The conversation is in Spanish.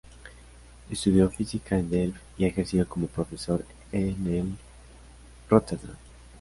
Estudió física en Delft y ha ejercido como profesor en el de Róterdam.